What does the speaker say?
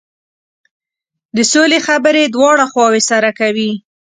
د سولې خبرې دواړه خواوې سره کوي.